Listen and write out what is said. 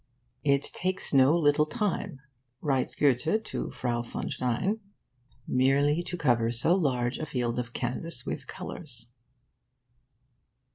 'It takes no little time,' writes Goethe to Frau von Stein, 'merely to cover so large a field of canvas with colours.